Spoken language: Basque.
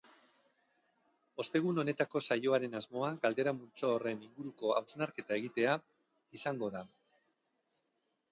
Ostegun honetako saioaren asmoa galdera multzo horren inguruko hausnarketa egitea izango da.